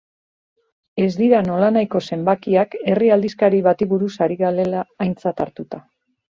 Ez dira nolanahiko zenbakiak herri aldizkari bati buruz ari garela aintzat hartuta.